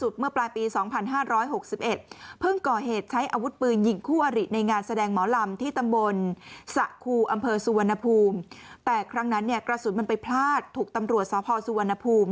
เพราะฉะนั้นกระสุนมันไปพลาดถูกตำรวจสภสุวรรณภูมิ